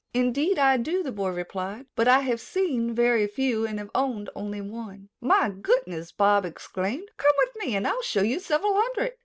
"Indeed I do," the boy replied, "but I have seen very few and have owned only one." "My goodness!" Bobs exclaimed. "Come with me and I will show you several hundred."